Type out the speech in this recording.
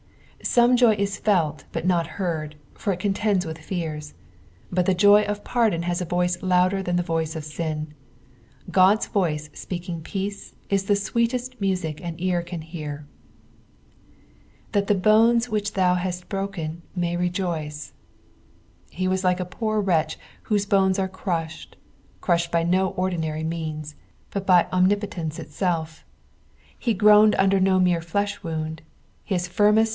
Some ju; is felt but not heard, for it contends with fears ; but the joy of pardon has a voice louder than (he voice of sin. God's voice speaking peace is the sweetest music an ear can hear. 'T/ioi the hoMt which thou hatt broken may rejoice.^' He was like a poor wretch whose bones arc crushed, crushed by no ordinary means, but by omni lioteuco itself. lie groaned under no mere flesh wounds ; his firmest